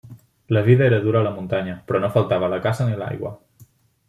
La vida era dura a la muntanya, però no faltava la caça ni l'aigua.